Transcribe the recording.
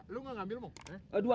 lu gak ambil bapak